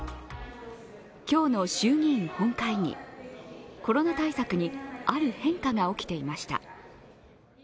今日の衆議院本会議、コロナ対策にある変化が起きていました。